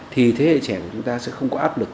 thì thế hệ trẻ của chúng ta sẽ không có áp lực